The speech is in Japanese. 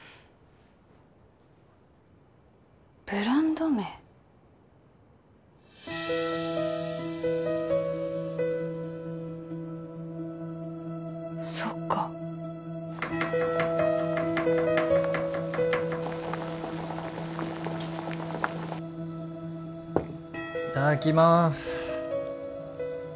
ブランド名そっかいただきまーす